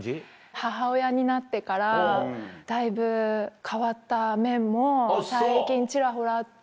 母親になってからだいぶ変わった面も最近ちらほらあって。